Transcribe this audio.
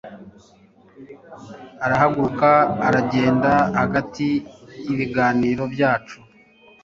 arahaguruka aragenda hagati y'ibiganiro byacu